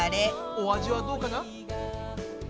お味はどうかな？